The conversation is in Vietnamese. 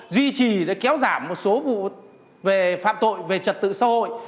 duy trì để kéo giảm một số vụ về phạm tội về trật tự xã hội